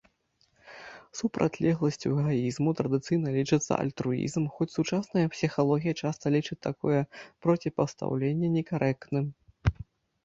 Супрацьлегласцю эгаізму традыцыйна лічыцца альтруізм, хоць сучасная псіхалогія часта лічыць такое проціпастаўленне некарэктным.